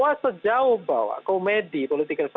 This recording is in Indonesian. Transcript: bahwa sejauh bahwa komedi politik yang satu